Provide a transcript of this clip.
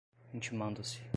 intimando-se